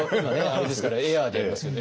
あれですからエアーでいきますけど。